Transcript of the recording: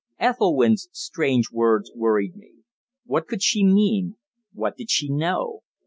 Ethelwynn's strange words worried me. What could she mean? What did she know?